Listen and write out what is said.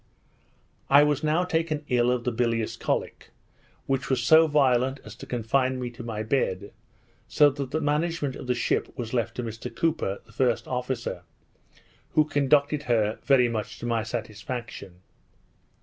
I was now taken ill of the bilious cholic, which was so violent as to confine me to my bed, so that the management of the ship was left to Mr Cooper the first officer, who conducted her very much to my satisfaction.